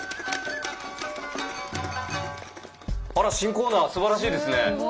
あら新コーナーすばらしいですね。